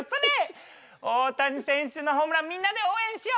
大谷選手のホームランみんなで応援しよう！